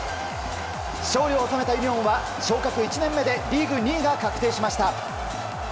勝利を収めたユニオンは昇格１年目でリーグ２位が確定しました。